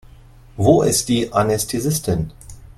Wo ist die Anästhesistin?